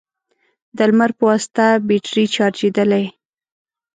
د لمر په واسطه يې بېټرۍ چارجېدلې،